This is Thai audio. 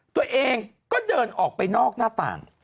ตัวเองก็เดินออกไปนอกหน้าต่าง